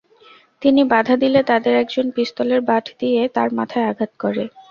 তিনি বাধা দিলে তাদের একজন পিস্তলের বাঁট দিয়ে তাঁর মাথায় আঘাত করে।